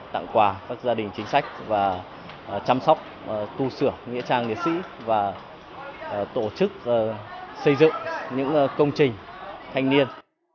tặng quà các gia đình chính sách và chăm sóc tu sửa nghĩa trang liệt sĩ và tổ chức xây dựng những công trình thanh niên